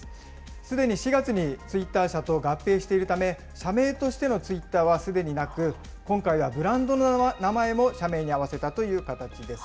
すでに４月にツイッター社と合併しているため、社名としてのツイッターはすでになく、今回はブランドの名前も社名に合わせたという形です。